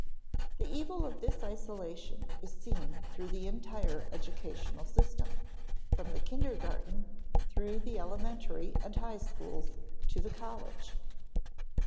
The evil of this isolation is seen through the entire educational system, from the kindergarten, through the elementary and high schools, to the college.